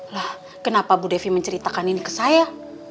lah kenapa bu devi menceritakan ini ke saya